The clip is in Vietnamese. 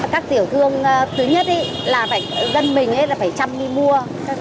các tiểu thương thứ nhất là dân mình phải chăm đi mua